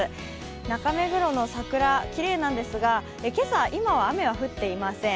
中目黒の桜、きれいなんですが、今朝今は雨は降っていません。